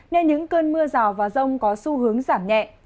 nên những cơn mưa rào và rông có xu hướng giảm nhẹ